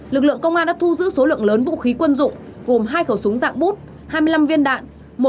lực lượng công an đã thu giữ số lượng lớn vũ khí quân dụng gồm hai khẩu súng dạng bút hai mươi năm viên đạn